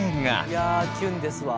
いやキュンですわ。